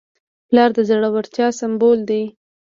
پلار د زړورتیا سمبول دی.